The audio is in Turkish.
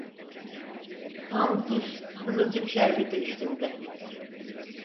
Kan kus, kızılcık şerbeti içtim de.